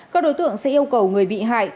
các đối tượng sẽ yêu cầu người bị hại